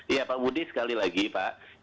iya pak budi sekali lagi pak